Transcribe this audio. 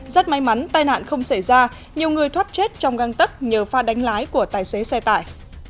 rất may mắn tai nạn không xảy ra nhiều người thoát chết trong găng tấc nhờ pha đánh lái của tài xế xe tải